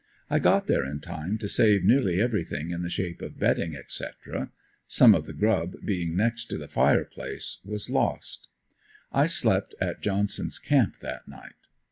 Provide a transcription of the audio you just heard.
I got there in time to save nearly everything in the shape of bedding, etc. Some of the grub, being next to the fire place, was lost. I slept at Johnson's camp that night.